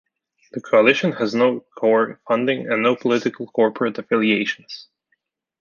The Coalition has no core funding and no political or corporate affiliations.